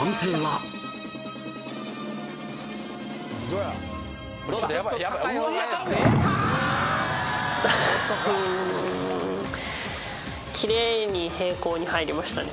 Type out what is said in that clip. うーんきれいに平行に入りましたね